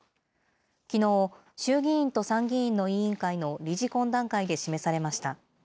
きのう、衆議院と参議院の委員会の理事懇談会で示されました。